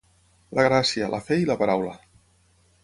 La Gràcia, la Fe i la Paraula.